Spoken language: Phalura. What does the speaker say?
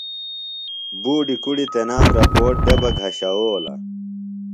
بوڈیۡ کُڑی تنام رپوٹ دےۡ بہ گھشوؤلہ۔